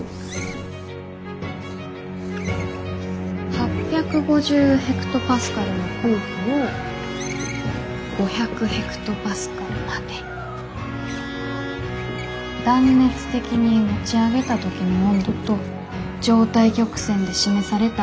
８５０ヘクトパスカルの空気を５００ヘクトパスカルまで断熱的に持ち上げた時の温度と状態曲線で示された実際の。